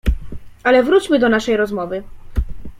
"Ale wróćmy do naszej rozmowy."